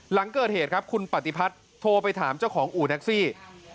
หลังเกิดเหตุครับคุณปฏิพัฒน์โทรไปถามเจ้าของอู่แท็กซี่